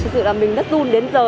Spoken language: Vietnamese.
thật sự là mình rất run đến giờ